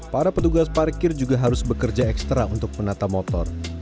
para petugas parkir juga harus bekerja ekstra untuk menata motor